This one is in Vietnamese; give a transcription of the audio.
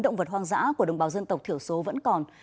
giã của đồng bào dân tộc thiểu số vẫn còn